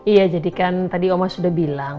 iya jadikan tadi oma sudah bilang